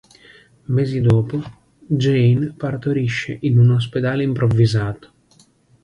Mesi dopo, Jane partorisce in un ospedale improvvisato.